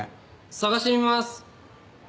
捜してみます。